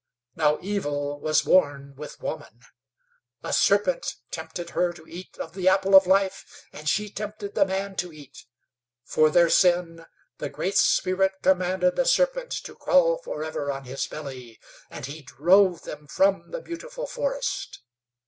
"Now evil was born with woman. A serpent tempted her to eat of the apple of Life, and she tempted the man to eat. For their sin the Great Spirit commanded the serpent to crawl forever on his belly, and He drove them from the beautiful forest.